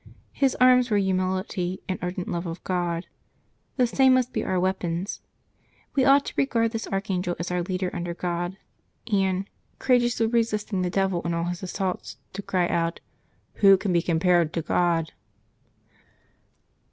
His arms were humility and ardent love of God: the same must be our weapons. We ought to regard this archangel as our leader under God; and, courageously resisting the 174 LIVES OF THE SAINTS [Mat 9 devil in all his assaults, to cry out, Wlio can be compared to God?